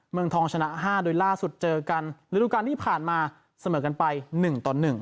เมืองทองชนะ๕โดยล่าสุดเจอกันฤดูการที่ผ่านมาเสมอกันไป๑ต่อ๑